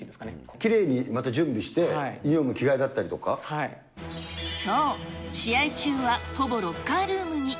きれいに、また準備して、そう、試合中はほぼロッカールームに。